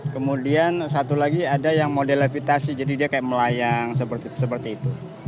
kemudian satu lagi ada yang model levitasi jadi dia kayak melayang seperti itu